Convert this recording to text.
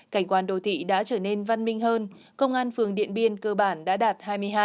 cảnh quan đồ thị đã trở nên văn minh hơn công an phường điện biên cơ bản đã đạt hai mươi hai trên hai mươi hai tiêu chí đề ra